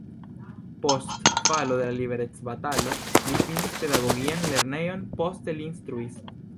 Post falo de la liberecbatalo li finis pedagogian lernejon, poste li instruis.